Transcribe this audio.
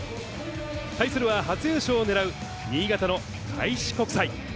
対するは初優勝を狙う新潟の開志国際。